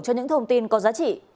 cho những thông tin có giá trị